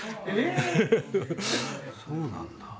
そうなんだ。